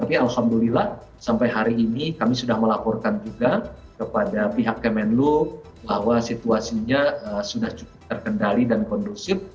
dan kemudian sampai hari ini kami sudah melaporkan juga kepada pihak kemenlo bahwa situasinya sudah cukup terkendali dan kondusif